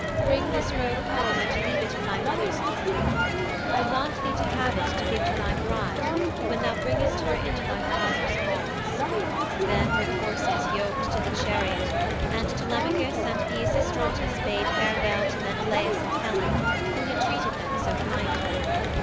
'Bring this robe home and leave it in thy mother's keeping. I want thee to have it to give to thy bride when thou bringest her into thy father's halls.' Then were the horses yoked to the chariot and Telemachus and Peisistratus bade farewell to Menelaus and Helen who had treated them so kindly.